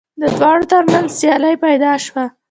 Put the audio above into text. د دواړو تر منځ سیالي پیدا شوه